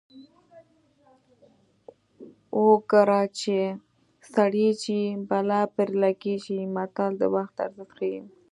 اوګره چې سړېږي بلا پرې لګېږي متل د وخت ارزښت ښيي